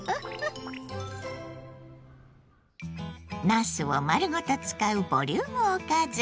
なすを丸ごと使うボリュームおかず。